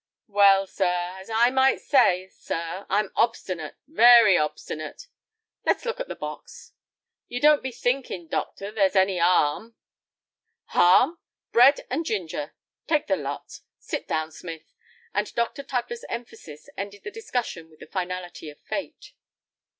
"Well, sir, as I might say, sir, I'm obstinate, very obstinate—" "Let's look at the box." "You don't be thinkin', doctor, there's any 'arm?" "Harm! Bread and ginger. Take the lot. Sit down, Smith," and Dr. Tugler's emphasis ended the discussion with the finality of fate.